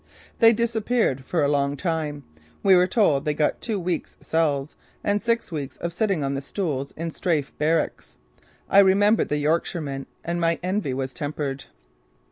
They disappeared for a long time. We were told they got two weeks' cells and six weeks of sitting on the stools in strafe barracks. I remembered the Yorkshiremen and my envy was tempered.